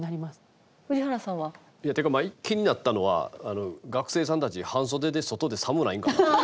宇治原さんは？ていうか気になったのは学生さんたち半袖で外で寒ないんかなって。